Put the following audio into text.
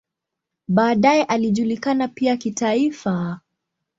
Baadaye alijulikana pia kitaifa.